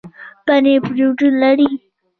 پنیر پروټین لري